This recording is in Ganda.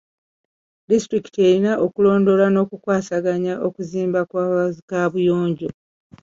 Disitulikiti erina okulondoola n'okukwasaganya okuzimba kwa zi kaabuyonjo.